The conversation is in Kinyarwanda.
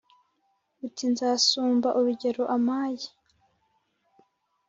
uti : nzasumba urugero ampaye